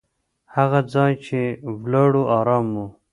هغه ځای چې ولاړو، ارام و.